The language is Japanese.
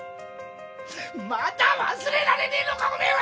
まだ忘れられねえのかおめえはよ！